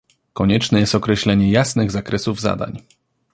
Konieczne jest określenie jasnych zakresów zadań